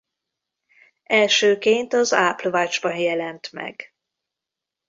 Elsőként az Apple Watch-ban jelent meg.